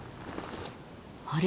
あれ？